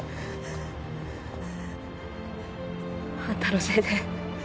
あんたのせいで